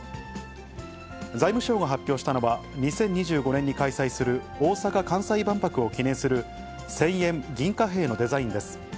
財務省が発表したのは、２０２５年に開催する、大阪・関西万博を記念する千円銀貨幣のデザインです。